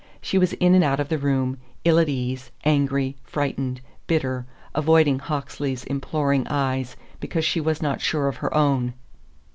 She was in and out of the room, ill at ease, angry, frightened, bitter, avoiding Hawksley's imploring eyes because she was not sure of her own.